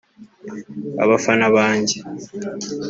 “abafana banjye